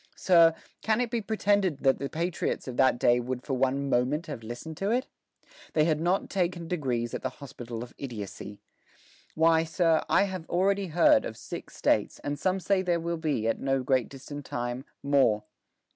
Sir, can it be pretended that the patriots of that day would for one moment have listened to it? ... They had not taken degrees at the hospital of idiocy. ... Why, sir, I have already heard of six States, and some say there will be, at no great distant time, more.